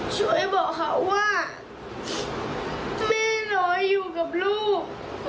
ช่วยบอกเขาว่าแม่น้อยอยู่กับลูก